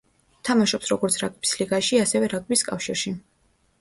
თამაშობს როგორც რაგბის ლიგაში, ასევე რაგბის კავშირში.